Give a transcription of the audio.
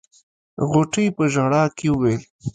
غوټۍ په ژړا کې وويل.